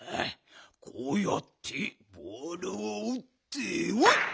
こうやってボールをうってほっ！